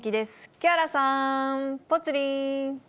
木原さん、ぽつリン。